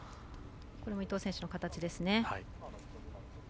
これも伊藤選手の形ですね。